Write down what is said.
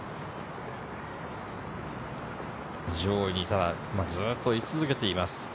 上位にただ、ずっとい続けています。